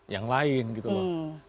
yang lain gitu loh